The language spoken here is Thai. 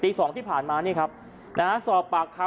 ตีสองที่ผ่านมานี่ครับนะฮะส่อปากคำ